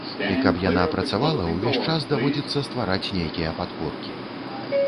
І каб яна працавала, увесь час даводзіцца ствараць нейкія падпоркі.